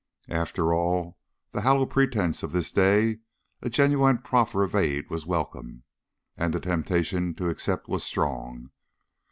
After all the hollow pretense of this day a genuine proffer of aid was welcome, and the temptation to accept was strong.